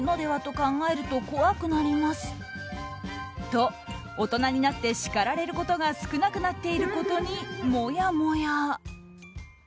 と、大人になって叱られることが少なくなっていることにもやもや。